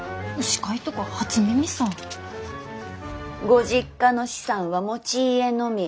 ご実家の資産は持ち家のみ。